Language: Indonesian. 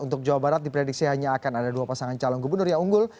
untuk jawa barat diprediksi hanya akan ada dua pasangan calon gubernur yang unggul